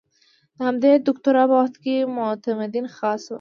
د همدې دوکتورا په وخت کې معتمدین خاص وو.